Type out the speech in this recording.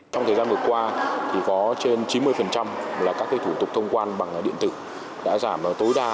trong thời gian vừa qua thì có trên chín mươi là các thủ tục thông quan bằng điện tử đã giảm tối đa